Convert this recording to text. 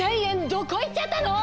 どこ行っちゃったの！？